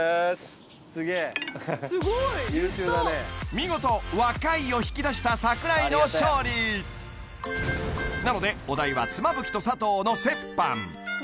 見事「若い」を引き出した櫻井の勝利なのでお代は妻夫木と佐藤の折半